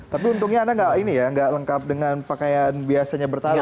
tapi untungnya anda nggak ini ya nggak lengkap dengan pakaian biasanya bertarung